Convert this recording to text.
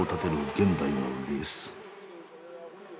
現代のレース。